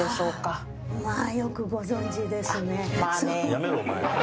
やめろお前。